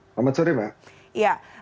selamat sore mbak